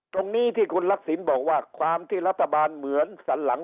ตรงนี้ที่คุณทักษิณบอกว่าความที่รัฐบาลเหมือนสันหลัง